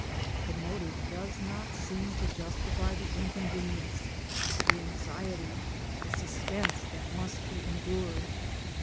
The motive does not seem to justify the inconvenience, the anxiety, the suspense that must be endured.